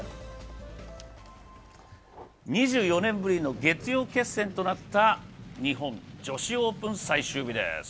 ２４年ぶりの月曜決戦となった日本女子オープン最終日です。